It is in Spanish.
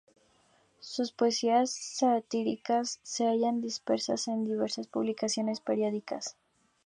Sus poesías satíricas se hallan dispersas en diversas publicaciones periódicas.